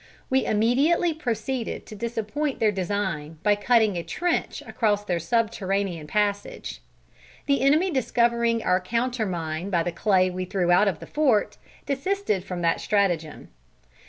We immediately proceeded to disappoint their design by cutting a trench across their subterranean passage. The enemy discovering our counter mine by the clay we threw out of the fort, desisted from that stratagem.